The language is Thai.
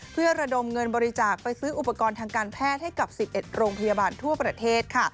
เพื่อระดมเงินบริจาคไปซื้ออุปกรณ์ทางการแพทย์ให้กับ๑๑โรงพยาบาลทั่วประเทศค่ะ